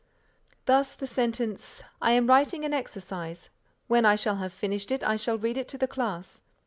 Thus, the sentence, "I am writing an exercise; when I shall have finished it I shall read it to the class."